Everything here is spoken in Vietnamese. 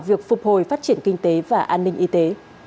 việc phục hồi phát triển kinh tế và an ninh y tế